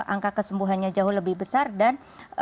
angka kesembuhannya jauh lebih besar dan